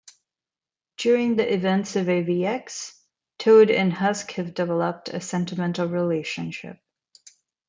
During the events of AvX, Toad and Husk have developed a sentimental relationship.